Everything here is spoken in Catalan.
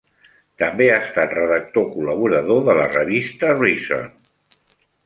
També ha estat redactor col·laborador de la revista "Reason".